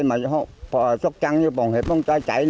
mà nó chóc trăng như bồng hiếp không cháy